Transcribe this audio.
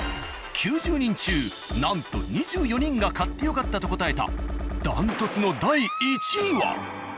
９０人中なんと２４人が買ってよかったと答えたダントツの第１位は。